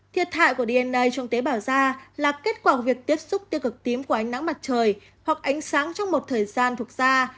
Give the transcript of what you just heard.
tế bảo da là kết quả của việc tiếp xúc tiêu cực tím của ánh nắng mặt trời hoặc ánh sáng trong một thời gian thuộc da